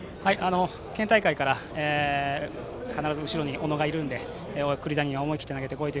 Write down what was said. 県大会から必ず後ろに小野がいるので栗谷には思い切って投げてこいと。